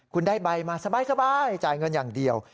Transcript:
คุณได้ใบมาสบายจ่ายเงินอย่างเดียว